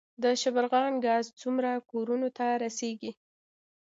د شبرغان ګاز څومره کورونو ته رسیږي؟